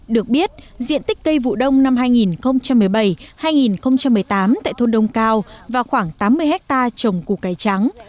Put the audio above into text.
được biết diện tích cây vụ đông năm hai nghìn một mươi bảy hai nghìn một mươi tám tại thôn đông cao và khoảng tám mươi hectare trồng củ cải trắng